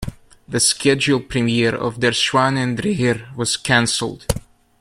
The scheduled premiere of "Der Schwanendreher" was cancelled.